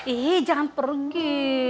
ih jangan pergi